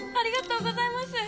ありがとうございます。